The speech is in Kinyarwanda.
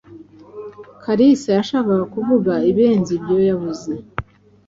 Kalisa yashakaga kuvuga ibirenze ibyo yavuze.